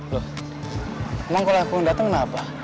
loh emang kalo aku yang dateng kenapa